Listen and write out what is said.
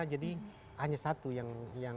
jadi hanya satu yang